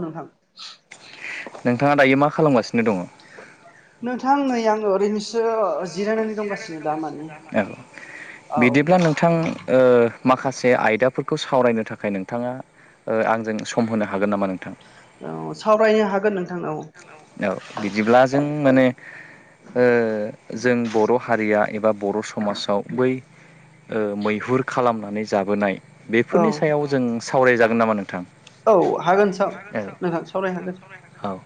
नोंथां नोंथाङा दायो मा खालामगासिनो दङ औ नोंथां नै आङो ओरैनोसो जिरायनानै दंगासिनो दा माने औ औ बिदिब्ला नोंथां माखासे आयदाफोरखौ खौ सावरायनो थाखाय नोंथाङा आंजों सम होनो हागोन नामा नोंथां औ सावरायनो हागोन नों औ बिदिब्ला जों माने जों बर' हारिया एबा बर' समाजाव बै मैहुर खालामनानै जाबोनाय औ बेफोरनि सायाव जों सावरायजागोन नामा नोंथां औ हागोन स नोंथां सावराय हागोन औ औ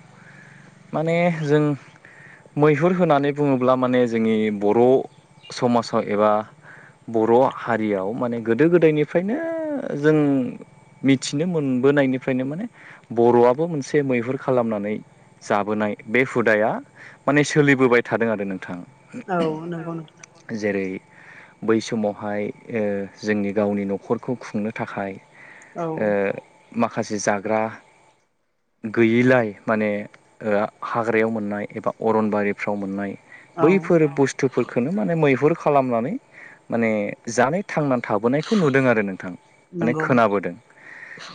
माने जों मैहुर होननानै बुङोब्ला माने जोंनि बर' समाजाव एबा बर' हारियाव माने गोदो गोदायनिफ्रायनो जों मिथिनो मोनबोनायनिफ्रायनो माने बर'आबो मोनसे मैहुर खालामनानै जाबोनाय बे हुदाया माने सोलिबोबाय थादों आरो नोंथां औ औ नोंथां नंगौ जेरै बै समावहाय ओ जोंनि गावनि न'खरखौ खुंनो थाखाय ओ माखासे जाग्रा गैयिलाय माने ओ हाग्रायाव मोननाय एबा अरनबारिफ्राव मोननाय औ बैफोर बुस्थुफोरखौनो माने मैहुर खालामनानै माने जानो थांनानै थाबोनायखौ नुदों आरो नोंथां माने नंगौ खोनाबोदों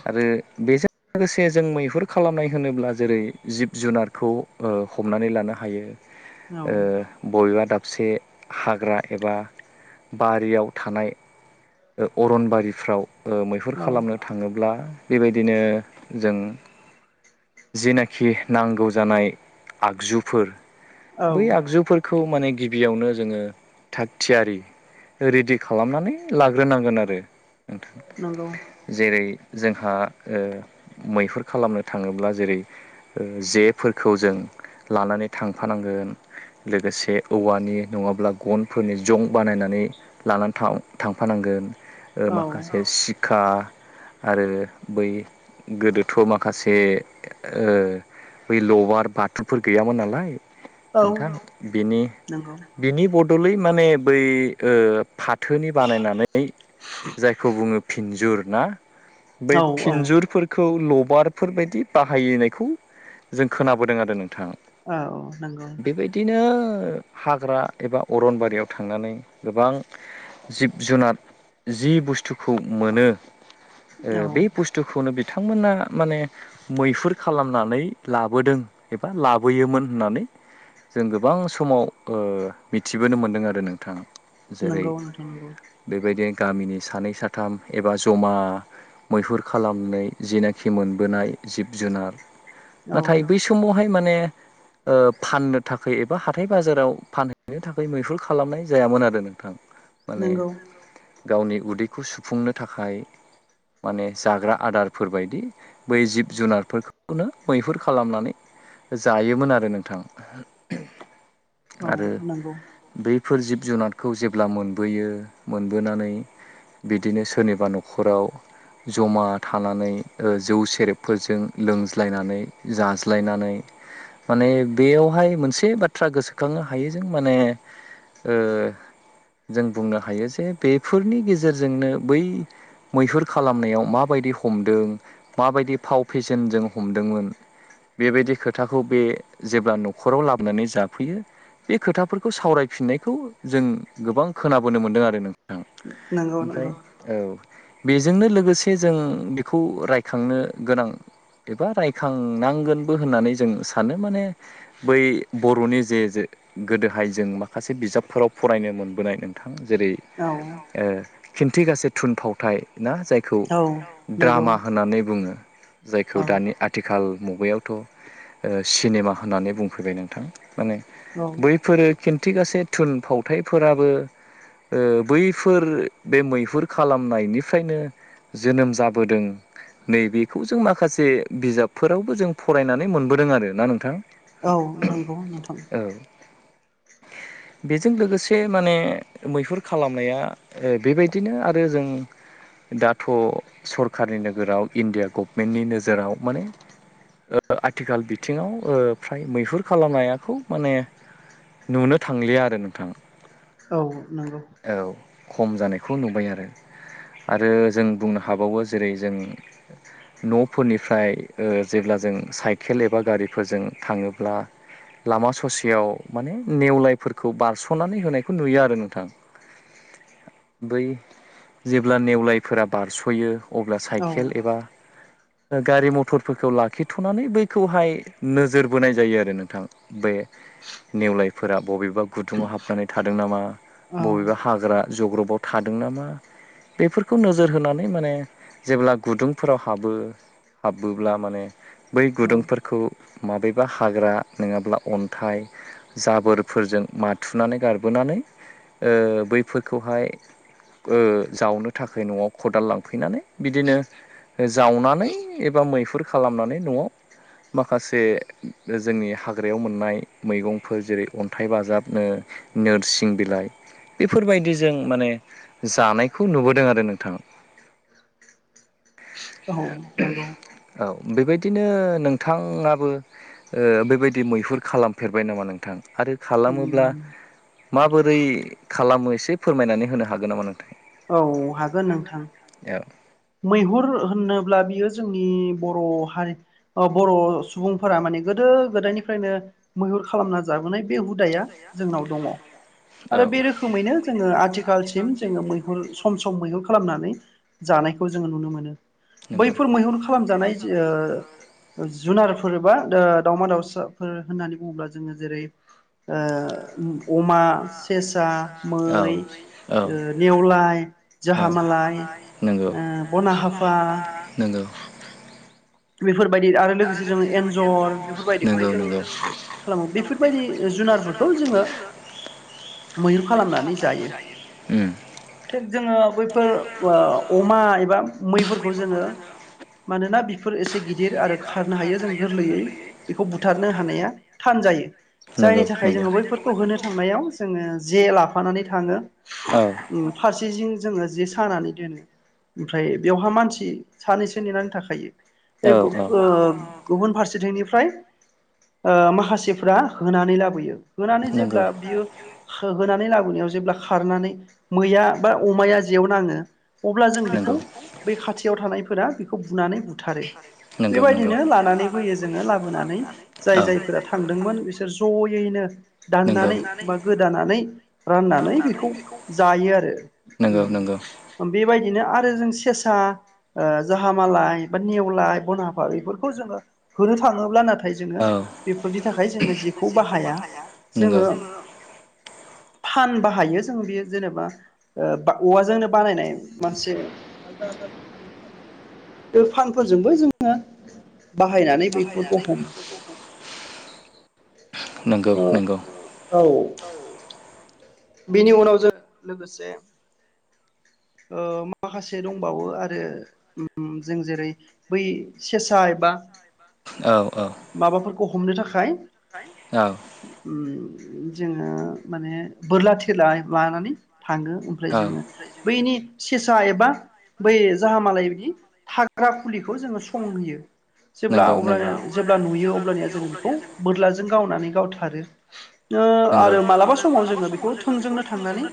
आरो बेजों लोगोसे जों मैहुर खालामनाय होनोब्ला जेरै जिब जुनारखौ ओ हमनानै लानो हायो औ ओ बबेबा दाब से हाग्रा एबा बारियाव थानाय ओ अरनबारिफ्राव ओ मैहुर औ खालामनो थाङोब्ला बेबायदिनो जों जेनाखि नांगौ जानाय आगजुफोर औ बै आगजुफोरखौ खौ माने गिबियावनो जोङो थाग थियारि रिडि खालामनानै लाग्रोनांगोन आरो नोंथां नंगौ जेरै जोंहा ओ मैहुर खालामनो थाङोब्ला जेरै ओ जेफोरखौ जों लानानै थांफानांगोन लोगोसे औवानि नङाब्ला गनफोरनि जं बानायनानै लानानै थां थांफानांगोन ओ औ माखासे सिक्खा आरो बै गोदोथ' माखासे ओ बै लवार बाथुफोर गैयामोन नालाय औ नोंथां बिनि नंगौ बिनि बद दलै माने बै ओ फाथो बानायनानै जायखौ बुङो फिनजुर ना? बै औ फिनजुरफोरखौ ल बारफोर बायदि बाहायनायखौ जों खोनाबोदों आरो नों थां औ नंगौ बेबायदिनो ओ हाग्रा एबा अरनबारियाव थांनानै गोबां जिब जुनार जि बुस्थुखौ मोनो औ बे ओ बुस्थुखौनो बिथांमोना माने मैहुर खालामनानै लाबोदों एबा लाबोयोमोन होननानै जों गोबां समाव ओ मिथिबोनो मोनदों आरो नोंथां नोंगौ नोंथां नोंगौ बे गामिनि सानै साथाम एबा जमा मैहुर खालामनाय जिनाखि मोनबो नाय जिब जुनार औ नाथाय बै समावहाय माने ओ फाननो थाखाय एबा हाथाय बाजाराव फानहैनो थाखाय मैहुर खालामनाय जायामोन आरो नोंथां माने नोंगौ गावनि उदैखौ सुफुंनो थाखाय माने जाग्रा आदारफोर बायदि बै जिब जुनारफोरखौनो मैहुर खालामनानै जायोमोन आरो नोंथां औ नंगौ बेफोर जिब जुनारखौ जेब्ला मोनबोयो मोनबोनानै बिदिनो सोरनिबा न'खराव जमा थानानै ओ जौ सेरेबफोरजों लोंज्लायनानै जाज्लायनानै माने बेयावहाय मोनसे बाथ्रा गोसोखांनो हायो जों माने ओ जों बुंनो हायो जे बेफोरनि गेजेरजोंनो बै मैहुर खालामनायाव माबायदि हमदों माबायदि फाव फेसेनजों हमदोंमोन बेबायदि खोथाखौ बे जेब्ला न'खराव लाबोनानै जाफैयो बे खोथाफोरखौ सावराय फिननायखौ जों गोबां खोनाबोनो मोन्दों आरो नोंथां नंगौ ओमफ्राय नंगौ औ बेजोंनो लोगोसे जों बेखौ रायखांनो गोनां एबा रायखांनांगोनबो होननानै जों सानो माने बै बर'नि जे-जे गोदोहाय जों माखासे बिजाबफोराव फरायनो मोनबोनाय नों जेरै औ ओ खिन्थिगासे थुनफावथाय ना जायखौ औ नंगौ द्रामा होननानै बुङो जायखौ औ दानि आथिखाल मुगायावथ' ओ सिनेमा होननानै बुंफैबाय नोंथां माने औ बैफोरो खिन्थिगासे थुनफावथायफोराबो ओ बैफोर बे मैहुर खालामनायनिफ्रायनो जोनोम जाबोदों नैबेखौ जों माखासे बिजाबफोरावबो जों फरायनानै मोनबोदों आरोना नोंथां औ नंगौ नोंथां औ बेजों लोगोसे माने मैहुर खालामनाया बेबायदिनो आरो जों दाथ' सरकारनि नोगोराव इण्डिया गभमेन्टनि नोजोराव माने आथिखाल बिथिङाव फ्राय मैहुर खालामनायाखौ माने नुनो थांलिया आरो नोंथां औ औ नंगौ औ खम जानायखौ नुबाय आरो आरो जों बुंनो हाबावो जेरै जों न'फोरनिफ्राय जेब्ला जों साइकेल एबा गारिफोरजों थाङोब्ला लामा ससेयाव माने नेवलायफोरखौ बारस'नानै होनायखौ नुयो आरो नों थां बै जेब्ला नेवलायफोरा बारस'यो अब्ला औ साइकेल एबा गारि मथरफोरखौ लाखिथ'नानै बैखौहाय नोजोर बोनाय जायो आरो नोंथां बे नेवलायफोरा बबेबा गुदुङाव हाबनानै थादों नामा औ बबेबा हाग्रा जग्रबाव थादों नामा बेफोरखौ नोजोर होनानै माने जेब्ला गुदुंफोराव हाबो हाबबोब्ला माने बै औ गुदुंफोरखौ माबेबा हाग्रा नङाब्ला अन्थाइ जाबोरफोरजों माथुनानै गारबोनानै बैफोरखौहाय जावनो थाखाय न'आव खदाल लांफैनानै बिदिनो जावनानै एबा मैहुर खालामनानै न'आव माखासे जोंनि हाग्रायाव मोननाय मैगंफोर जेरै अन्थाइ बाजाबनो नोरसिं बिलाइ बेफोरबायदि जों माने जानायखौ नुबोदों आरो नोंथाङा [inaudible] औ नंगौ औ बेबायदिनो नोंथाङाबो बेबायदि मैहुर खालामफेरबाय नामा नोंथां आरो खालामोब्ला उम माबोरै खालामो एसे फोरमायनानै होनो हागोन नामा नों औ हागोन नोंथां औ मैहुर होनोब्ला बियो जोंनि बर' हारि बर' सुबुंफोरा माने गोदो गोदो गोदायनिफ्रायनो मैहुर खालामना जाबोनाय बे हुदाया जोंनाव दङ औ आरो बे रोखोमैनो जोङो आथिखालसिम जोङो मैहुर सम सम मैहुर खालामनानै जानायखौ जोङो नुनो मोनो नंगौ बैफोर मैहुर खालामजानाय जुनारफोर बा ओ दावमा दाउसाफोर होननानै बुङोब्ला जोङो जेरै ओ अमा सेसा मै नेवलाय औ जाहामालाय नंगौ ओ बनाहाफा नंगौ बेफोरबायदि आरो लोगोसे जों एन्जर बेफोरबायदिखौबो जों खालामो बेफोरबायदि जुनारफोरखौ बेखौ जोङो मैहुर खालामनानै जायो थिग जोङो बैफोर अमा एबा मैफोरखौ जोङो मानोना बेफोर एसे गिदिर आरो खारनो हायो जों गोरलैयै बेखौ बुथारनो हानाया थान जायो जों जायनि थाखाय जोङो बैफोरखौ होनो थांनायाव जोङो जेला फानानै थाङो फारसेथिं जोङो जे सानानै दोनो ओमफ्राय बेवहा मानसि सानैसो नेनानै थाखायो बे जोंखौ गुबुन फारसेथिंनि फ्राय माखासेफ्रा होनानै लाबोयो होनानै जेब्ला बियो होनानै ला याव जेब्ला खारनानै मैया बा अमाया जेव नाङो अब्ला जों बेखौ बै खाथियाव थानायफोरा बेखौ बुनानै बु बुथारो नंगौ बेबायदिनो लानानै फैयो जोङो लाबोनानै जाय जायफोरा थांदोंमोन बिसोर ज'यैनो ज'यैनो दाननानै बा गोदानानै राननानै बेखौ जायो नंगौ नंगौ आरो बेबायदिनो आरो जों सेसा जाहामालाय बा नेवलाय बनाफा बेफोरखौ जोङो होनो थाङोब्ला नाथाय नाथाय जोङो औ बेफोरनि थाखाय जोङो जेखौ बाहाया नंगौ जोङो फानबा हायो जों बेयो जेनेबा औवाजोंनो बानायनाय मोनसे आ [inaudible] बे फानफोरजोंबो जोङो बाहायनानै बेफोरखौ हमो नंगौ अ नंगौ औ बेनि उनाव जों लोगोसे उ माखासे दंबावो आरो जों जेरै बै सेसा एबा औ औ माबाफोरखौ हमनो थाखाय औ उम जोङो माने बोरला थिर लानानै थाङो ओमफ्राय जोङो बैनि सेसा एबा बै जाहा मालाय बिदि थाग्रा खुलिखौ जोङो संहयो जेब्ला नंगौ अ्लया जेब्ला नुयो अब्लानिया जोङो बेखौ बोरलाजों गावनानै गावथारो मालाबा समाव जों बेखौ थोंजोंनो थांनानै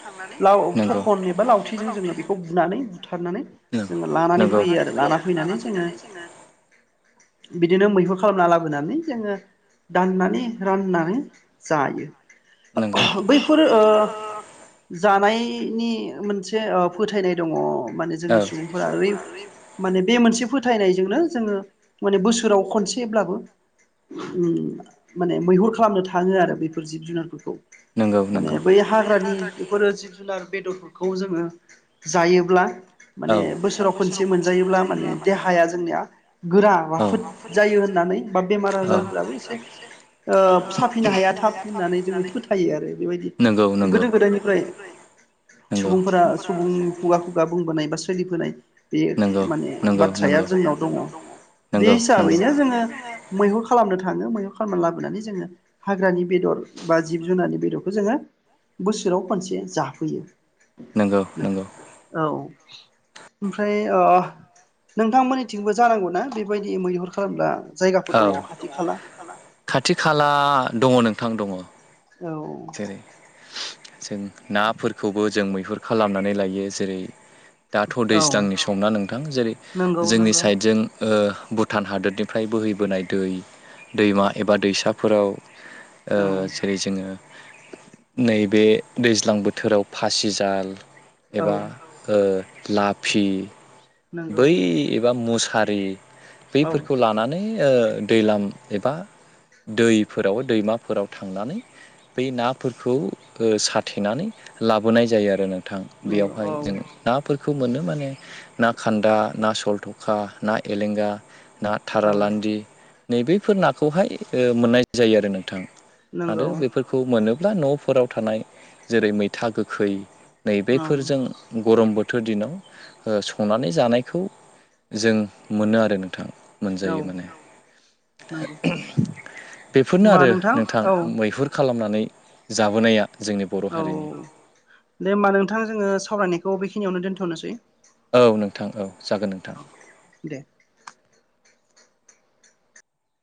लाव थखन एबा लावथिजों जोङो बेखौ बुनानै बुथारनानै जोङो लानानै फैयो आरो लाना फैनानै जोङो बिदिनो मैहुर खालामना लाबोनानै जोङो दाननानै राननानै जायो नंगौ बेफोर जानायनि मोनसे फोथायनाय दङ माने जोंनि सुबुंफोरा ओरै माने बे मोनसे फोथायनायजोंनो जोङो माने बोसोराव खनसेब्लाबो माने मैहुर खालामनो थाङो आरो बेफोर जिब जुनारफोरखौ नंगौ नंगौ माने बै हाग्रानि बेफोरो जिब जुनार बेदरफोरखौ जोङो जायोब्ला माने बोसोराव खनसे मोनजायोब्ला माने देहाया जोंनिया गोरा राफोद जायो होन नानै बा बेमार आजारफोराबो एसे साफिनो हाया थाब होननानै जोङो फोथायो आरो बेबायदि खम गोदो बिदि गोदायनिफ्राय सुबुंफोरा सुबुं खुगा खुगा बुंबोनाय बा सोलिफोनाय बे माने बाथ्राया जोंनाव दङ बे हिसाबैनो जोङो जोङो मैहुर खालामनो थाङो मैहुर फोरमान लाबोनानै जोङो हाग्रानि बेदर बा जिब जुनारनि बेदरखौ खौ जोङो बोसोराव खानसे जाफैयोथ बेबायदि मैहुर औ ओमफ्राय खालामग्रा नोंथांमोननिथिंबो जानांगौनााबेबायदि मैहुर खालामब्ला औ खाथि खाला दङ नोंथां दङ औ जेरै जों नाफोरखौबो जों मै बेफोर खालामनानै लायो जेरै दाथ' औ दैज्लांनि समना नोंथां जेरै नंगौ जोंनि नंगौ साइडजों भुटान हादोरनिफ्राय बोहैबोनाय दै दैमा एबा दैसाफोराव ओ औ जेरै जोङो नैबे दैज्लां बोथोराव फासिजाल औ एबा ओ लाफि नंगौ बै एबा मुस सारि औ बैफोरखौ लानानै ओ दैलां एबा दैफोराव दैमाफोराव थांनानै बै नाफोरखौ ओ साथेनानै लाबोनाय जायो आरो नों थां नंगौ औ बेयावहाय जों नाफो रखौ मोनो माने ना खान्दा ना सलथखा ना एलेंगा ना औ थारालान्दि नैबेफोर नाखौहाय ओ मोननाय जायो आरो नोंथां आरो नंगौ बेफोरखौ मोनोब्ला न'फोराव थानाय जेरै मैथा गोखै औ नैबेफोरजों गरम बो थोर दिनाव ओ संनानै जानायखौ जों मोनो आरो नों गोथां मोनजायो नंगौ माने बेफोरनो होमबा आरो नोंथां औ मैहुर खालामनानै जाबोनाया जोंनि बर' औ हारिनि दे होमबा नोंथां जोङो सावरायनायखौ बेखिनियावनो दोन्थ'नोसै औ नोंथां औ जागोन नोंथां दे।